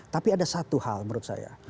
tapi ada satu hal menurut saya